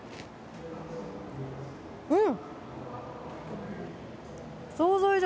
うん！